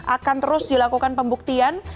akan terus dilakukan pembuktian